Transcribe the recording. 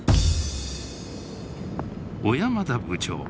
小山田部長